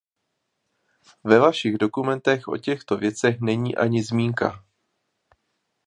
Ve vašich dokumentech o těchto věcech není ani zmínka .